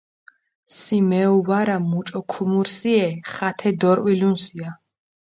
სი მეუ ვარა, მუჭო ქუმურსიე, ხათე დორჸვილუნსია.